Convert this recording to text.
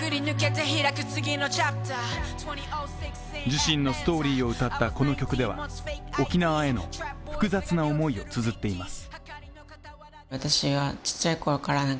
自身のストーリーを歌ったこの曲では沖縄への複雑な思いをつづっています。